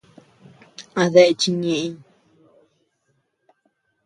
¿A dae chiñeʼeñ?